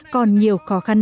còn nhiều khó khăn này